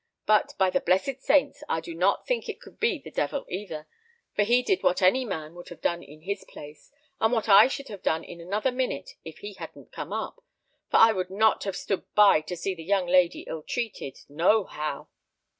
But, by the blessed saints! I do not think it could be the devil either, for he did what any man would have done in his place, and what I should have done in another minute if he hadn't come up, for I would not have stood by to see the young lady ill treated, no how."